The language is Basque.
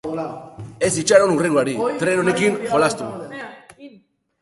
Ez itxaron hurrengoari, tren honekin jolastu.